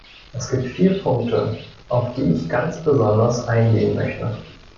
Es gibt vier Punkte, auf die ich ganz besonders eingehen möchte.